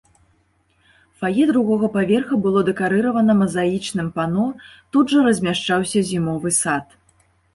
Фае другога паверха было дэкарыравана мазаічным пано, тут жа размяшчаўся зімовы сад.